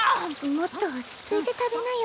もっと落ち着いて食べなよ。